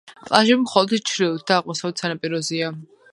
პლაჟები მხოლოდ ჩრდილოეთ და აღმოსავლეთ სანაპიროზეა.